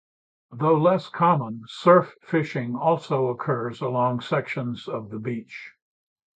Though less common, surf fishing also occurs along sections of the beach.